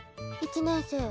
１年生」。